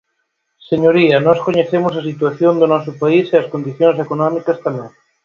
Señoría, nós coñecemos a situación do noso país e as condicións económicas tamén.